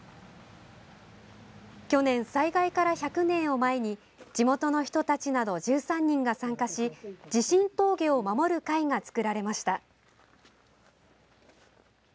去年、災害から１００年を前に地元の人たちなど１３人が参加し地震峠を守る会が作られました。